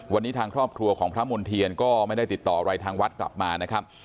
วันนี้ทางครอบครัวของพระมณ์เทียนก็ไม่ได้ติดต่ออะไรทางวัดกลับมานะครับ